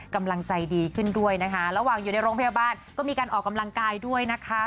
กำลังใจดีขึ้นด้วยนะคะระหว่างอยู่ในโรงพยาบาลก็มีการออกกำลังกายด้วยนะคะ